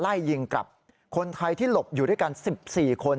ไล่ยิงกลับคนไทยที่หลบอยู่ด้วยกัน๑๔คน